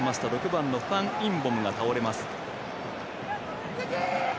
６番のファン・インボムが倒れます。